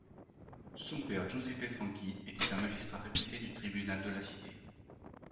Son père Giuseppe Franchi, était un magistrat réputé du tribunal de la cité.